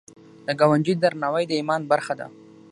د ګاونډي درناوی د ایمان برخه ده